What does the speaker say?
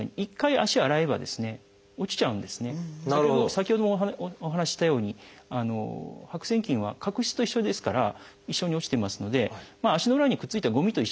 先ほどもお話ししたように白癬菌は角質と一緒ですから一緒に落ちてますので足の裏にくっついたごみと一緒です。